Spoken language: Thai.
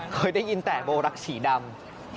เคยได้ยินแต่โบรักษ์สีดำ